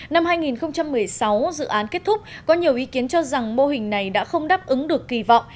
năm hai nghìn một mươi sáu dự án kết thúc có nhiều ý kiến cho rằng mô hình này đã không đáp ứng được kỳ vọng